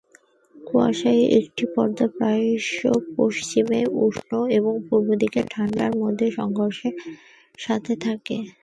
কুয়াশার একটি পর্দা প্রায়শই পশ্চিমে উষ্ণ এবং পূর্ব দিকে ঠান্ডা এর মধ্যে সংঘর্ষের সাথে থাকে।